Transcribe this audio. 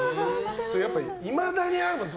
やっぱりいまだにあるよね。